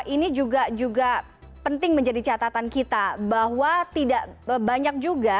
ini juga penting menjadi catatan kita bahwa tidak banyak juga